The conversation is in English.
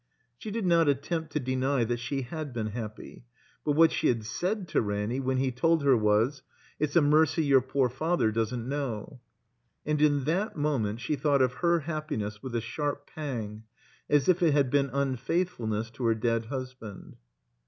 She did not attempt to deny that she had been happy. But what she had said to Ranny when he told her was, "It's a mercy your poor father doesn't know." And in that moment she thought of her happiness with a sharp pang as if it had been unfaithfulness to her dead husband.